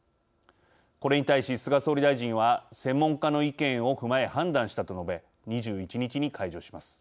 これに対し菅総理大臣は専門家の意見を踏まえ判断したと述べ２１日に解除します。